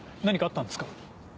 何かあったんですか？